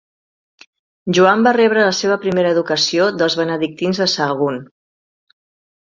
Joan va rebre la seva primera educació dels benedictins de Sahagún.